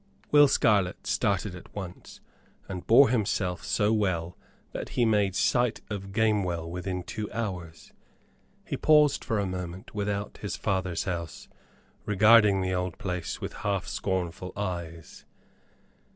Will Scarlett started at once, and bore himself so well that he made sight of Gamewell within two hours. He paused for a moment without his father's house, regarding the old place with half scornful eyes.